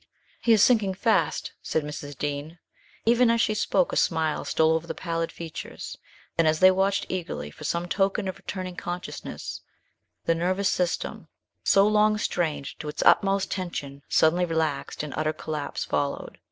"He is sinking fast," said Mrs. Dean. Even as she spoke a smile stole over the pallid features; then, as they watched eagerly for some token of returning consciousness, the nervous system, so long strained to its utmost tension, suddenly relaxed and utter collapse followed.